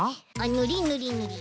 ぬりぬりぬり。